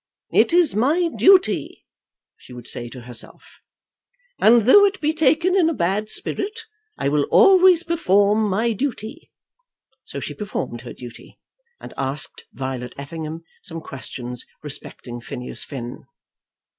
"It is my duty," she would say to herself, "and though it be taken in a bad spirit, I will always perform my duty." So she performed her duty, and asked Violet Effingham some few questions respecting Phineas Finn.